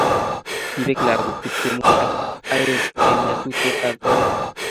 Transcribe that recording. kipek lakok tiptemu ak aeng en nyasutiet ab oret